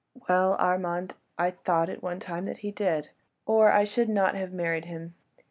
—Well, Armand, I thought at one time that he did, or I should not have married him.